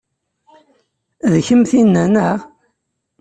D kemm tinna, neɣ?